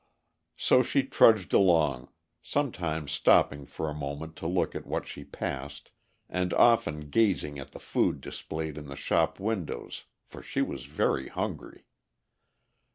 So she trudged along, sometimes stopping for a moment to look at what she passed, and often gazing at the food displayed in the shop windows, for she was very hungry.